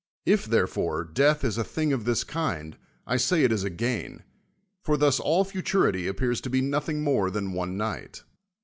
If, therefore, death is a thing of this kind, I say it is a gain ; for thus all futurity ap pears to be nothing more than one night.